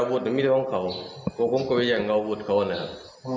ผมก็ต้องเอาข้อนปอนด์เขานะครับ